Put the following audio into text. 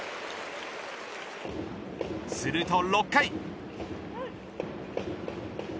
すると６回。